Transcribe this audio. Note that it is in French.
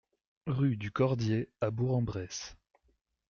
Rue du Cordier à Bourg-en-Bresse